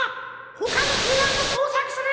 ほかのへやもそうさくするんじゃ！